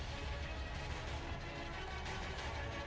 helikopter yang akan memperkuat tni angkatan dorot